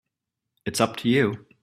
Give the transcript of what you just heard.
It's up to you.